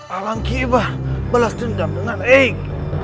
alang kibar belas dendam dengan eik